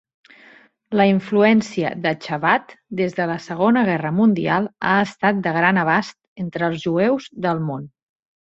La influència de Chabad des de la Segona Guerra Mundial ha estat de gran abast entre els jueus del món.